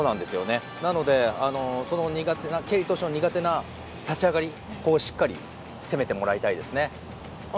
なので、そのケリー投手の苦手な立ち上がりをしっかり攻めてもらいたいですね。